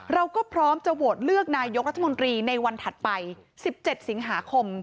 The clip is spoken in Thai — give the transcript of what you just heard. เราก็พร้อมจะโหวตเลือกนายกรัฐมนตรีในวันถัดไป๑๗สิงหาคม